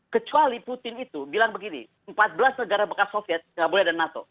kecuali putin itu bilang begini empat belas negara bekas soviet nggak boleh ada nato